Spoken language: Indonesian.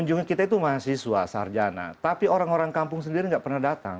kunjungan kita itu mahasiswa sarjana tapi orang orang kampung sendiri nggak pernah datang